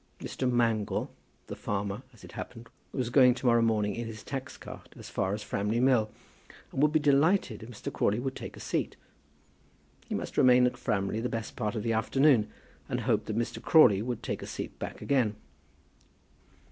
Mr. Mangle, the farmer, as it happened, was going to morrow morning in his tax cart as far as Framley Mill, and would be delighted if Mr. Crawley would take a seat. He must remain at Framley the best part of the afternoon, and hoped that Mr. Crawley would take a seat back again.